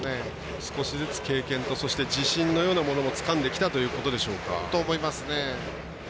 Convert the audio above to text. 少しずつ経験と自信のようなものもつかんできたということでしょうね。